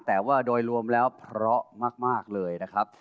แต่ว่าโดยรวมแล้วเพราะมากเลยนะครับ